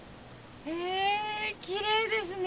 へえきれいですね。